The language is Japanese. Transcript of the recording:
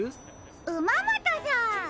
ウマモトさん。